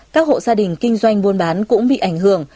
các hộ gia đình kinh doanh buôn bán cũng bị ảnh hưởng